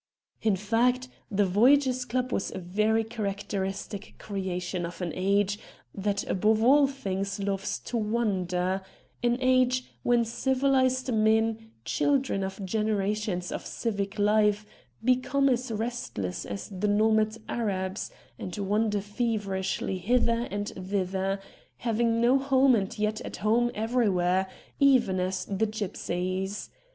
In fact, the Voyagers' Club was a very characteristic creation of an age that above all things loves to wander, an age when civilised 6 RED DIAMONDS men, children of generations of civic life, become as restless as the nomad Arabs, and wander feverishly hither and thither, having no home and yet at home everywhere, even as the gipsies.